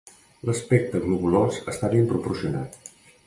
L'aspecte globulós està ben proporcionat.